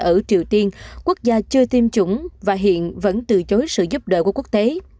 ở triều tiên quốc gia chưa tiêm chủng và hiện vẫn từ chối sự giúp đỡ của quốc tế